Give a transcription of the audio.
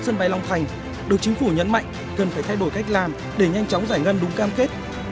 sân bay long thành được chính phủ nhấn mạnh cần phải thay đổi cách làm để nhanh chóng giải ngân đúng cam kết